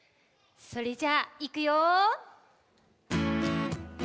それじゃあいくよ！